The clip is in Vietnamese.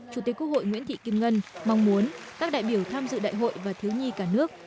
chủ tịch quốc hội nguyễn thị kim ngân mong muốn các đại biểu tham dự đại hội và thiếu nhi cả nước